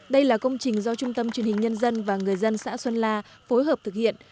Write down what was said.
đây là công trình do trung tâm truyền hình nhân dân và người dân xã xuân la phối hợp thực hiện